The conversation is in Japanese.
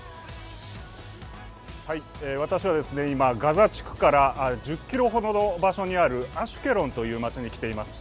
私は今、ガザ地区から１０ｋｍほどの場所にあるアシュケロンという街に来ています。